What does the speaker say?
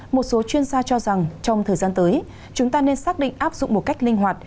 một số chuyên gia cho rằng trong thời gian tới chúng ta nên xác định áp dụng một cách linh hoạt